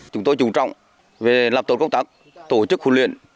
chúng tôi trung trọng về lập tổ công tác tổ chức khuôn luyện